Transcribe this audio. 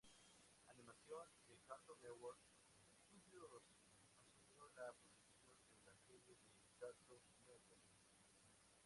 Animation, y Cartoon Network Studios asumió la producción de las series de Cartoon Network.